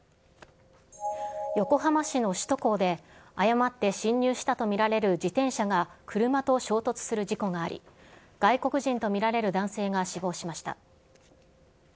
横浜市の首都高で、誤って進入したと見られる自転車が車と衝突する事故があり、外国人と見られる男性が死亡しました。